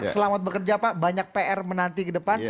selamat bekerja pak banyak pr menanti ke depan